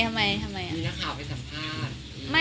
ถามณข่าวไปสัมภาษณ์ว่า